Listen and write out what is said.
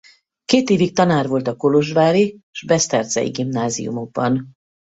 Két évig tanár volt a kolozsvári s besztercei gimnáziumokban.